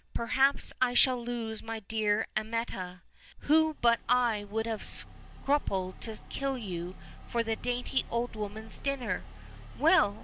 Perhaps I shall lose my dear Amietta! Who but I would have scrupled to kill you for the dainty old woman's dinner? Well!